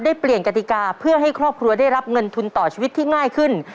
เปลี่ยนกติกาเพื่อให้ครอบครัวได้รับเงินทุนต่อชีวิตที่ง่ายขึ้น